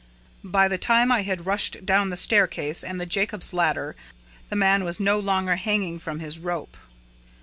"By the time I had rushed down the staircase and the Jacob's ladder, the man was no longer hanging from his rope!"